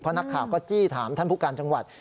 นักข่าวก็จี้ถามท่านผู้การจังหวัด